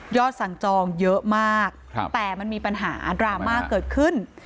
สั่งจองเยอะมากแต่มันมีปัญหาดราม่าเกิดขึ้น